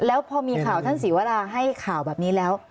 แล้วพอมีข่าวท่านศรีวราให้ข่าวแบบนี้แล้ว